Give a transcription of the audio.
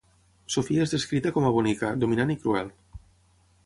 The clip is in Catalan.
Sofia és descrita com a bonica, dominant i cruel.